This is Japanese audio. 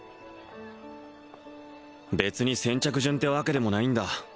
別に先着順ってわけでもないんだ